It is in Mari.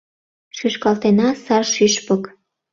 Шӱшкалтена сар шӱшпык.